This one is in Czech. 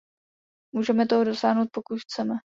Můžeme toho dosáhnout, pokud chceme.